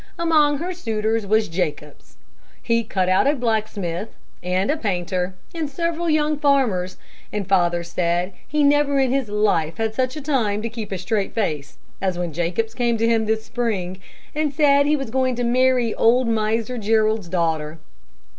Among her suitors was Jacobs. He cut out a blacksmith, and a painter, and several young farmers, and father said he never in his life had such a time to keep a straight face, as when Jacobs came to him this spring, and said he was going to marry old Miser Jerrold's daughter.